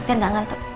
biar gak ngantuk